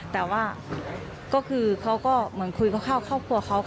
แต่ว่าก็คือเขาก็เหมือนคุยกับครอบครัวเขา